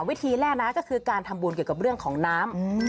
วิธีแรกนะก็คือการทำบุญเกี่ยวกับเรื่องของน้ำ